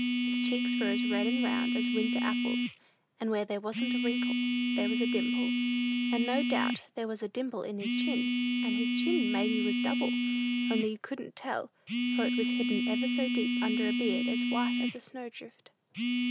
His cheeks were as red and round as winter apples, and where there wasn't a wrinkle there was a dimple; and no doubt there was a dimple in his chin, and his chin maybe was double, only you couldn't tell, for it was hidden ever so deep under a beard as white as a snow drift.